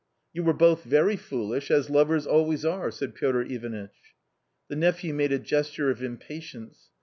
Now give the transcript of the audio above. " You were both very foolish as lovers always are," said Piotr Ivanitch. The nephew made a gesture of impatience.